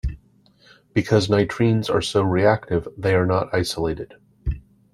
Because nitrenes are so reactive, they are not isolated.